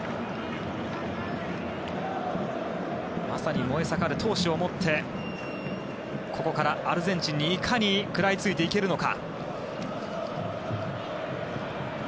まさに燃え盛る闘志を持ってここからアルゼンチンにいかに食らいついていけるのか。